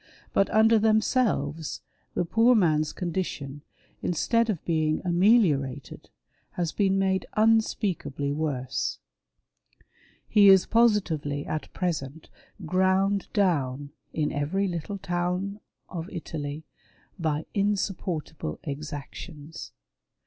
But under themselves the poor man's condition, instead of being ameliorated, has been made unspeakably worse. 1 1 4 WAR OF ANTICHRIST WITH THE CHURCH. He is positively, at present, ground down, in every little town oi Italy, by insupportable exactions.